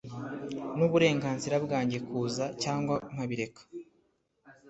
n’uburenganzira bwanjye kuza cyangwa nkabireka